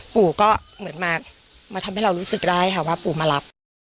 ปู่ก็เหมือนมาทำให้เรารู้สึกได้ค่ะว่าปู่มารับ